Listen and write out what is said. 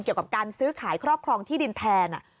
เกี่ยวกับการซื้อขายครอบครองที่ดินแทน